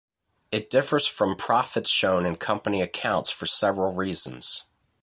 It differs from profits shown in company accounts for several reasons.